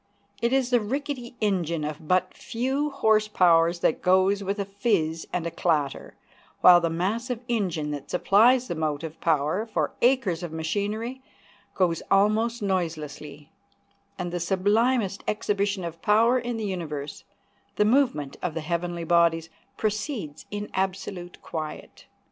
It is the rickety engine of but few horse powers that goes with a fizz and a clatter, while the massive engine that supplies the motive power for acres of machinery goes almost noiselessly; and the sublimest exhibition of power in the universe—the movement of the heavenly bodies—proceeds in absolute quiet.